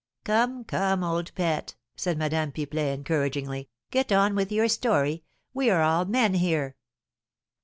"Come, come, old pet," said Madame Pipelet, encouragingly, "get on with your story; we are all men here."